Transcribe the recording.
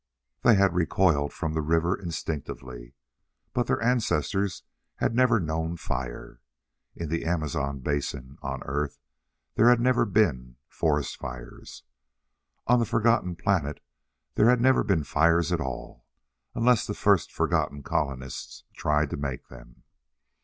They had recoiled from the river instinctively. But their ancestors had never known fire. In the Amazon basin, on Earth, there had never been forest fires. On the forgotten planet there had never been fires at all, unless the first forgotten colonists tried to make them.